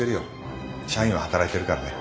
社員は働いてるからね